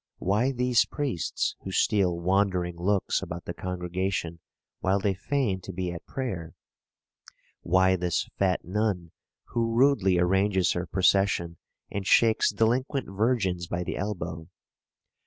why these priests who steal wandering looks about the congregation while they feign to be at prayer? why this fat nun, who rudely arranges her procession and shakes delinquent virgins by the elbow?